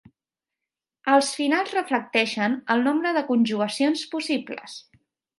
Els finals reflecteixen el nombre de conjugacions possibles.